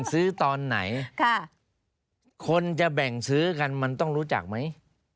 ซื้อตอนไหนคนจะแบ่งซื้อกันมันต้องรู้จักไหม